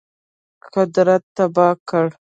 قدرت تباه کړ.